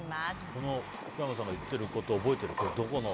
この福山さんが言ってること覚えてる？